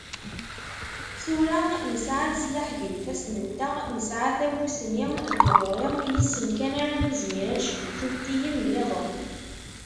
Tura, nesεa leslaḥ gar yifassen-nteɣ, nesεa tamussni d tɣuri, yis-sen kan ara nizmir ad necbu timettiyin-nniḍen.